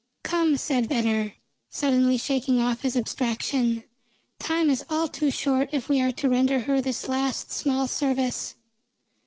"Come," said Venner, suddenly shaking off his abstraction, "time is all too short if we are to render her this last small service."